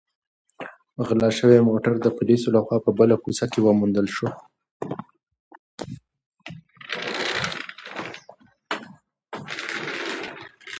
غلا شوی موټر د پولیسو لخوا په بله کوڅه کې وموندل شو.